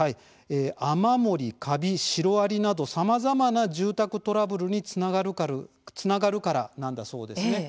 雨漏り、カビシロアリなどさまざまな住宅トラブルにつながるからなんだそうですね。